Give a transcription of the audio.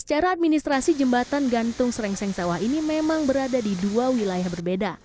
secara administrasi jembatan gantung sereng seng tsawa itu memang berada di dua wilayah berbeda